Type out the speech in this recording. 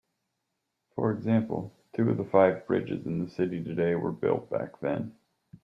For example, two of the five bridges in the city today were built back then.